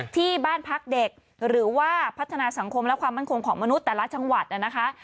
ที่บ้านพักเด็กหรือว่าพัฒนาสังคมและความมั่นคงของมนุษย์แต่ละจังหวัดนะคะ